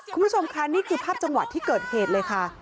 คุณผู้ชมค่ะนี่คือภาพจังหวะที่เกิดเหตุเลยค่ะ